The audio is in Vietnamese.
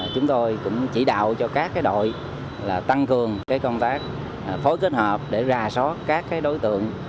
chúng tôi cũng chỉ đạo cho các cái đội là tăng cường cái công tác phối kết hợp để ra số các cái đối tượng